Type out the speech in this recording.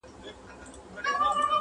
تر لحده به دي ستړی زکندن وي-